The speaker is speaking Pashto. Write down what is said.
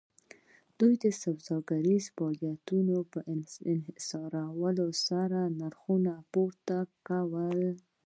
دوی د سوداګریزو فعالیتونو په انحصارولو سره نرخونه پورته کول